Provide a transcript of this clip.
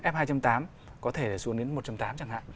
f hai tám có thể xuống đến một tám chẳng hạn